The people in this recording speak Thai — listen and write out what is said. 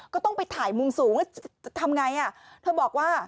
ก็ต้องไปถ่ายมุมสูงทำอย่างไร